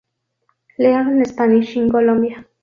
Learn Spanish in Colombia.